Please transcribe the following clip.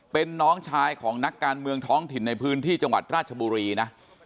เป็นน้องชายของนักการเมืองท้องถิ่นในพื้นที่จังหวัดราชบุรีนะ